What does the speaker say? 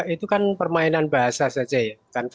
itu kan permainan bahasa saja ya